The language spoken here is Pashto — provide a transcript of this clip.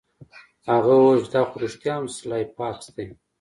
هغه وویل چې دا خو رښتیا هم سلای فاکس دی